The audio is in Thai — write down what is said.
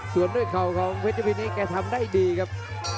ส่วนด้วยเข่าของเพชรยพินิษฐ์แกทำได้ดีครับ